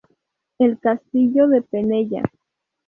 El Castillo de Penella.